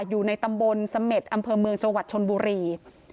อยู่ในตำบลเสม็ดอำเภอเมืองจังหวัดชนบุรี